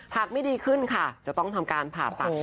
หากไม่ดีขึ้นค่ะจะต้องทำการผ่าตัด